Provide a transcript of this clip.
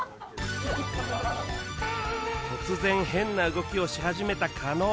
突然変な動きをし始めた加納